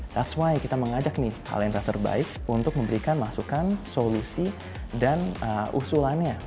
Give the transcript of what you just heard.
⁇ s ⁇ why kita mengajak nih allendra terbaik untuk memberikan masukan solusi dan usulannya